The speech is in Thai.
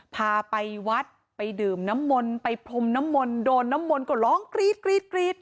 พาไปวัดไปดื่มน้ำมนต์ไปพรมน้ำมนต์โดนน้ำมนต์ก็ร้องกรี๊ดกรี๊ด